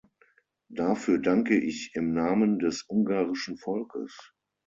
Dafür danke ich im Namen des ungarischen Volkes.